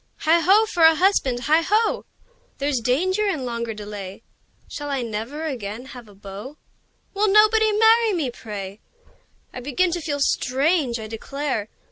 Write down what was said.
Heigh ho! for a husband! Heigh ho! There's danger in longer delay! Shall I never again have a beau? Will nobody marry me, pray! I begin to feel strange, I declare!